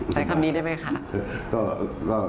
ได้คำนี้ได้มั้ยนะ